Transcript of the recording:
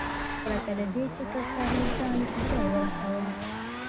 پرته له دې، چې تر ساحل ځان ژر ورسوم.